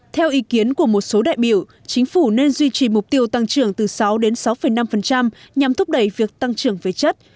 theo ý kiến của một số đại biểu chính phủ nên duy trì mục tiêu tăng trưởng từ sáu đến sáu năm nhằm thúc đẩy việc tăng trưởng về chất